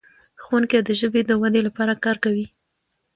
ښوونکي د ژبې د ودې لپاره کار کوي.